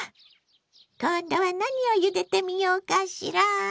今度は何をゆでてみようかしら。